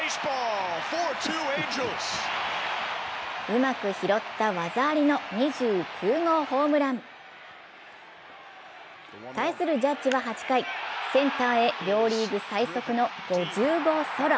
うまく拾った技ありの２９号ホームラン。対するジャッジは８回、センターへ両リーグ最速の５０号ソロ。